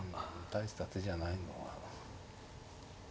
大した手じゃないのは。